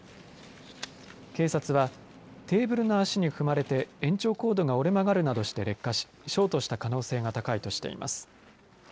警察はテーブルが足に踏まれて延長コードが折れ曲がるなどして劣化しショートした可能性が高いとしています。